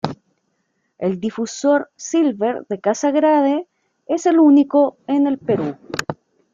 El difusor silver de casa grade, es el único en el Perú.